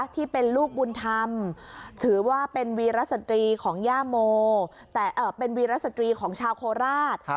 ที่เป็นลูกบุญธรรมถือว่าเป็นวีรสตรีของชาวโคราช